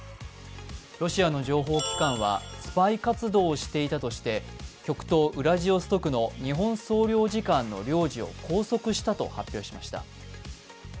ロシアの情報機関はスパイ活動をしていたとして極東ウラジオストクの日本総領事館の領事を拘束したと発表しました。